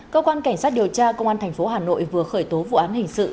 cơ quan cảnh sát điều tra công an thành phố hà nội vừa khởi tố vụ án hình sự